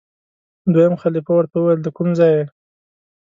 دویم خلیفه ورته وویل دکوم ځای یې؟